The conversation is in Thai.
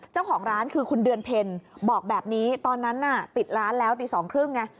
เจ้าของร้านคือคุณเดือนเพ็ญบอกแบบนี้ตอนนั้นน่ะปิดร้านแล้วตีสองครึ่งไง